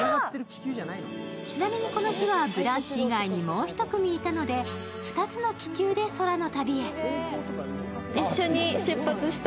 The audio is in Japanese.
ちなみにこの日は「ブランチ」以外にもう１組いたので２つの気球で空の旅へ。